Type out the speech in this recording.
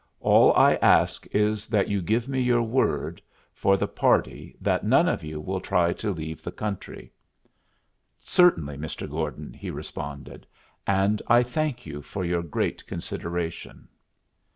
All I ask is that you give me your word, for the party, that none of you will try to leave the country." "Certainly, Mr. Gordon," he responded. "And I thank you for your great consideration."